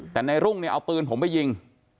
แต่ในรุ่งเนี่ยเอาปืนผมไปยิง